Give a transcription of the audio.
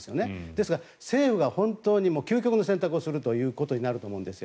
ですが、政府が本当に究極の選択をすることになると思うんです。